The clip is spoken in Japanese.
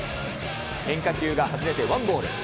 変化球が外れてワンボール。